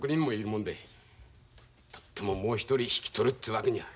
とてももう一人引き取るっていうわけには。